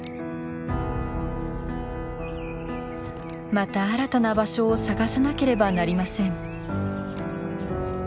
また新たな場所を探さなければなりません。